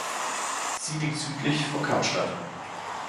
Sie liegt südlich von Kapstadt.